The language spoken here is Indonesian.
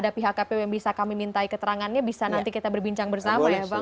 ada pihak kpu yang bisa kami mintai keterangannya bisa nanti kita berbincang bersama ya bang